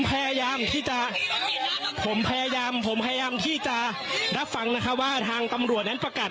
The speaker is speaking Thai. พยายามที่จะผมพยายามผมพยายามที่จะรับฟังนะคะว่าทางตำรวจนั้นประกาศ